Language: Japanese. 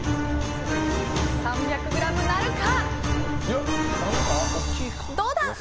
３００ｇなるか。